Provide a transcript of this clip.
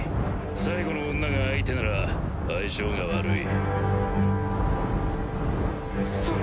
最後の女が相手なら相性が悪い。